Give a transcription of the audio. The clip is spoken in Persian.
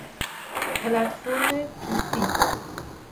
پلتفرم پیسی